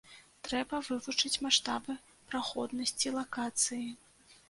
Трэба вывучыць маштабы праходнасці лакацыі.